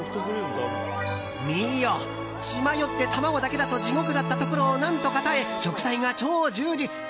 見よ、血迷って卵だけだと地獄だったところを何とか耐え食材が超充実！